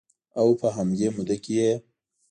و په همدې موده کې یې